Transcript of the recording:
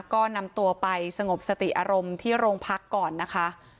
ก็นำตัวไปสงบสติอารมณ์ที่โรงพักก่อนนะคะ